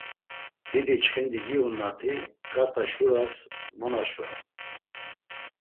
Didi çxindi giğun na ti, ǩarta şuras mo naşuram!